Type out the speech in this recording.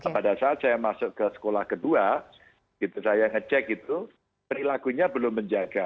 pada saat saya masuk ke sekolah kedua saya ngecek itu perilakunya belum menjaga